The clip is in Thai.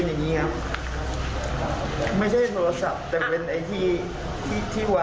เซียไปพันสี่บ๊ะ